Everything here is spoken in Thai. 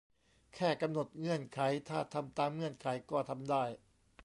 แค่กำหนดเงื่อนไข ถ้าทำตามเงื่อนไขก็ทำได้